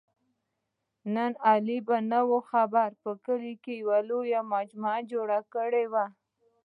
نن علي په نه خبره په کلي لویه مجمع جوړه کړې وه.